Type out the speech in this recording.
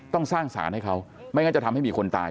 ต้องสร้างสารให้เขาไม่งั้นจะทำให้มีคนตาย